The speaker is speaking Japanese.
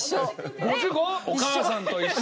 ５５？お母さんと一緒。